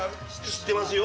知ってますよ。